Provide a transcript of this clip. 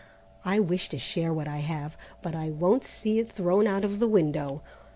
I wish to share what I have, but I won't see it thrown out of the window.